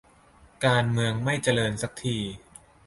การเมืองไม่เจริญสักที